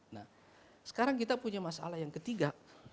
nah sekarang kita punya masalah yang ketiga